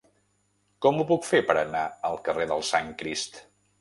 Com ho puc fer per anar al carrer del Sant Crist?